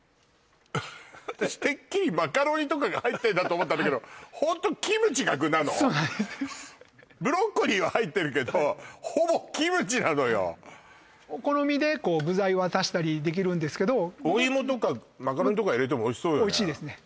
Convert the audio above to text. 私てっきりマカロニとかが入ってんだと思ったんだけどそうブロッコリーは入ってるけどほぼキムチなのよお好みで具材は足したりできるんですけどお芋とかマカロニとか入れてもおいしそうよねおいしいですね